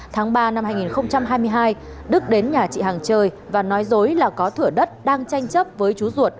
tháng ba năm hai nghìn hai mươi hai đức đến nhà chị hằng chơi và nói dối là có thửa đất đang tranh chấp với chú ruột